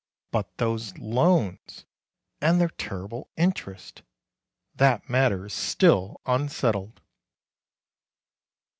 But those loans! and their terrible interest! that matter is still unsettled!